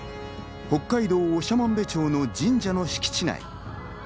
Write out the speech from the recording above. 北海道長万部町の神社の敷地内。